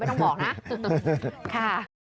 ไม่ต้องบอกนะ